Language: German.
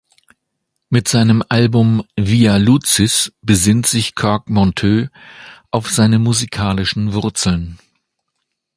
Mit seinem Album „Via Lucis“ besinnt sich Kirk Monteux auf seine musikalischen Wurzeln.